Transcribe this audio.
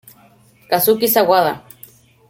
Kazuki Sawada